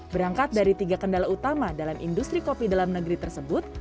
berangkat dari tiga kendala utama dalam industri kopi dalam negeri tersebut